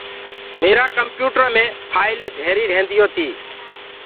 ميرآ ڪمپيوٽرو مي ڦآئلين ڌيري ريهنديو تي۔